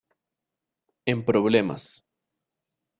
En problemas.